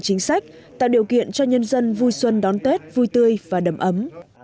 chính sách tạo điều kiện cho nhân dân vui xuân đón tết vui tươi và đầm ấm